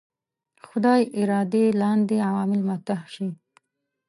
خدای ارادې لاندې عوامل مطرح شي.